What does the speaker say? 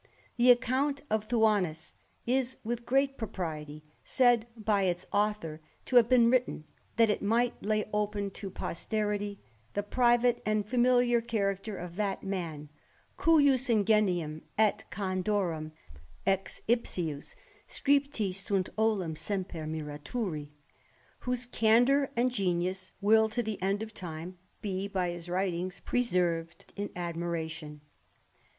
The account of Thuanus is, with great propriety, said by its author to have been written, that it might lay open to posterity the private and i&miliar character of that man, cujus ingenium et candorem ex ipHus scriptis sunt olim semper miraturi^ whose candour and genius will to the end of time be by his writings preserved in admiration.